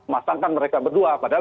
masangkan mereka berdua padahal